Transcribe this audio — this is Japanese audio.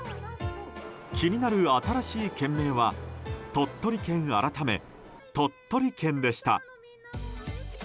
気になる新しい県名は鳥取県改め兎取県でした。